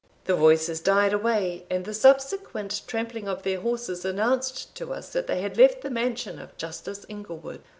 The voices died away, and the subsequent trampling of their horses announced to us that they had left the mansion of Justice Inglewood.